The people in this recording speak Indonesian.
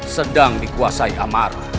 sedang dikuasai amar